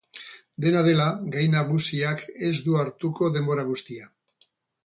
Dena dela, gai nagusiak ez du hartuko denbora guztia.